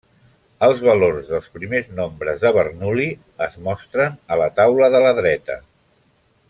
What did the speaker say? Els valors dels primers nombres de Bernoulli es mostren a la taula de la dreta.